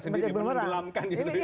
menjadi bumerang sendiri menenggelamkan